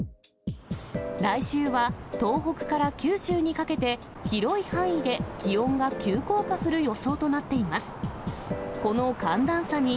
来週は東北から九州にかけて、広い範囲で気温が急降下する予想となっています。